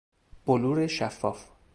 بلور شفاف